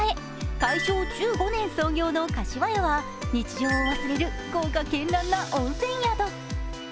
大正１５年創業の柏屋は日常を忘れる豪華けんらんな温泉宿。